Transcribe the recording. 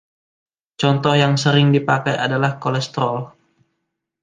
Contoh yang sering dipakai adalah kolesterol.